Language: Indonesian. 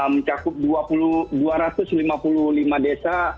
mencakup dua ratus lima puluh lima desa